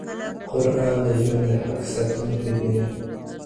قران د ژوند د حق ساتونکی دی.